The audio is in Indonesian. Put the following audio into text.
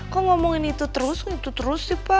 kok ngomongin itu terus ngomongin itu terus sih pa